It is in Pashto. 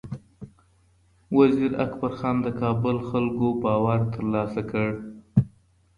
وزیر اکبر خان د کابل خلکو باور ترلاسه کړ.